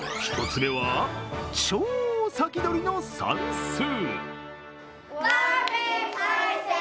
１つ目は、超先取りの算数。